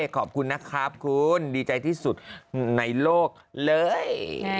ขอบคุณนะครับคุณดีใจที่สุดในโลกเลย